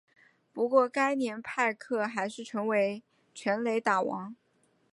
不过该年派克还是成为全垒打王。